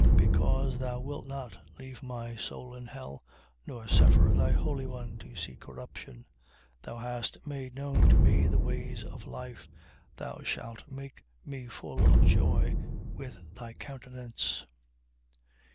2:27. Because thou wilt not leave my soul in hell: nor suffer thy Holy One to see corruption. 2:28. Thou hast made known to me the ways of life: thou shalt make me full of joy with thy countenance.